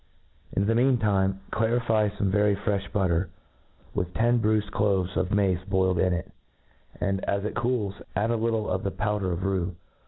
In * the mean time, clarify fome very frefh butter, with ten bf uifed cloves of mace boiled in it ^ and, as it cools, add a little of the powder of rue.